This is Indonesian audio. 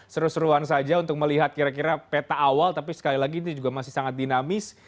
seru seruan saja untuk melihat kira kira peta awal tapi sekali lagi ini juga masih sangat dinamis